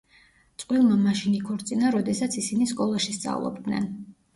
წყვილმა მაშინ იქორწინა, როდესაც ისინი სკოლაში სწავლობდნენ.